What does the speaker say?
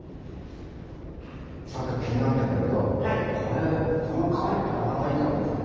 さっきから気になってんだけどこれこの甕ってなかなかいい甕ですね。